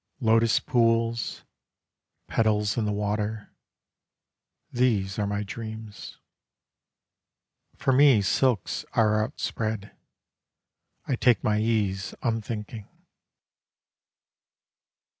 Lotus pools: Petals in the water. These are my dreams. For me silks are outspread. I take my ease, unthinking.